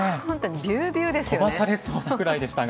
ビュービューですよね。